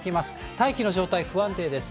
大気の状態不安定です。